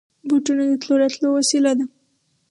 بوټونه د تلو راتلو وسېله ده.